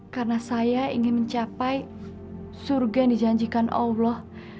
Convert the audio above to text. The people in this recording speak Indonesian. karena saya ingin mencapai surga yang dijanjikan allah